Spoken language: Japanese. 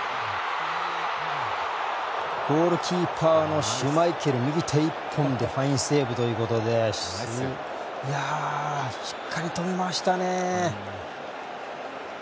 ゴールキーパーのシュマイケル右手１本でファインセーブということでしっかり止めましたね。